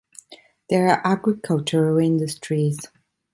There are agricultural industries.